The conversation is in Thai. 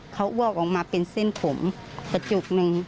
เขาอ้วกออกมาเป็นเส้นผมกระจุกหนึ่ง